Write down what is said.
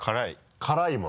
辛いもの。